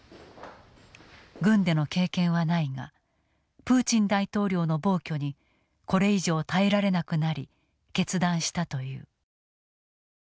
軍での経験はないがプーチン大統領の暴挙にこれ以上耐えられなくなり決断したという。